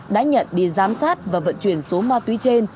đã nhận đi giám sát và vận chuyển số ma túy trên